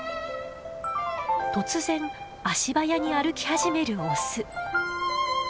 突然足早に歩き始めるオス。